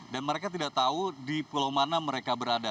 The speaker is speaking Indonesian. dan mereka tidak tahu di pulau mana mereka berada